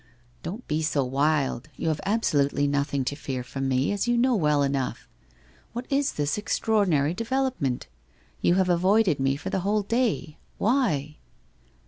' Don't be so wild. You have absolutely nothing to fear from me, as you know well enough. What is this extraor dinary development? You have avoided me for the whole day. Why?'